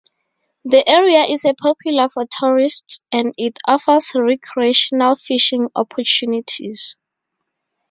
The area is a popular for tourists and it offers recreational fishing opportunities.